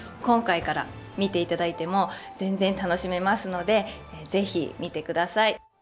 今回から見ていただいても全然楽しめますのでぜひ見てください。